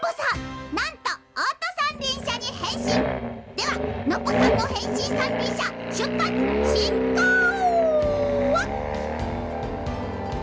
ではノッポさんのへんしんさんりんしゃしゅっぱつしんこう！